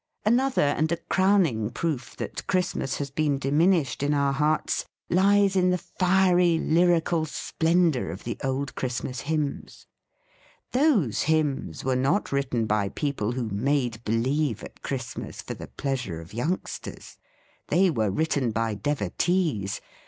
Another and a crowning proof that Christmas has been diminished in our hearts lies in the fiery lyrical splendour of the old Christmas hymns. Those hymns were not written by people who made believe at Christmas for the pleasure of youngsters. They were THE FEAST OF ST FRIEND written by devotees.